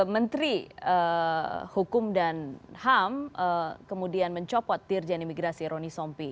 menteri hukum dan ham kemudian mencopot dirjen imigrasi roni sompi